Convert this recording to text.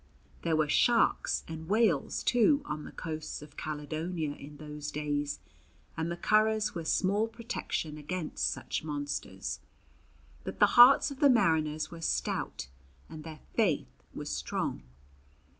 There were sharks, and whales too, on the coasts of Caledonia in those days, and the curraghs were small protection against such monsters; but the hearts of the mariners were stout and their faith was strong.